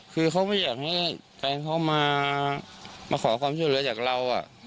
คือเขาไม่อยากให้แฟนเขามาขอความช่วยเหลือจากเรา